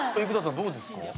どうですか？